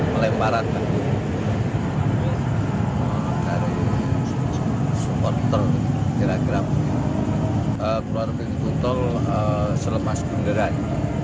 melemparan dari supporter tiragram keluar dari tol selemas genggeran